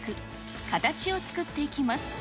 形を作っていきます。